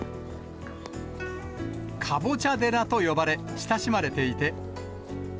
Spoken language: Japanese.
かぼちゃ寺と呼ばれ、親しまれていて。